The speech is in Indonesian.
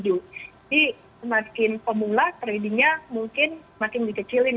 jadi semakin pemula tradingnya mungkin semakin dikecilin